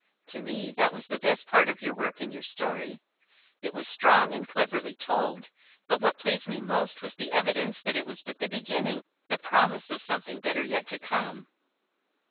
To me, that was the best part of your work in your story. It was strong and cleverly told, but what pleased me most was the evidence that it was but the beginning, the promise of something better yet to come."